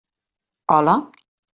Hola?